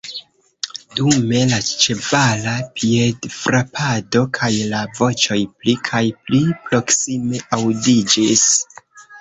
Dume la ĉevala piedfrapado kaj la voĉoj pli kaj pli proksime aŭdiĝis.